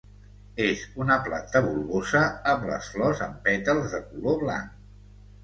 És una planta bulbosa amb les flors amb pètals de color blanc.